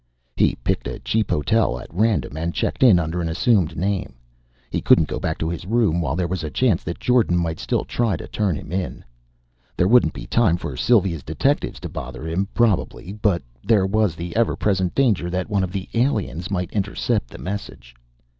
He picked a cheap hotel at random and checked in under an assumed name. He couldn't go back to his room while there was a chance that Jordan still might try to turn him in. There wouldn't be time for Sylvia's detectives to bother him, probably, but there was the ever present danger that one of the aliens might intercept the message.